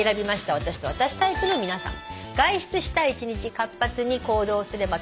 私と私タイプの皆さん。